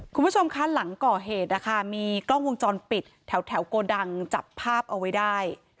คุณผู้ชมคะหลังก่อเหตุนะคะมีกล้องวงจรปิดแถวโกดังจับภาพเอาไว้ได้